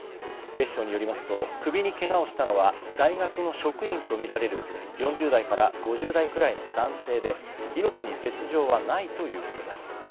警視庁によりますと首にけがをしたのは大学の職員とみられる４０代から５０代くらいの男性で命に別条はないということです。